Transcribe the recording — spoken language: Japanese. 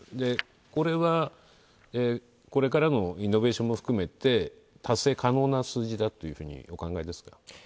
これは、これからのイノベーションも含めて達成可能な数字だというふうにお考えですか？